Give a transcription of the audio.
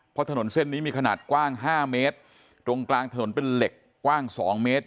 เพราะถนนเส้นนี้มีขนาดกว้างห้าเมตรตรงกลางถนนเป็นเหล็กกว้างสองเมตร